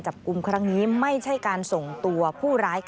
และร่วมกันมียุทธภัณฑ์ไว้ในครอบครองโดยไม่ได้รับอนุญาต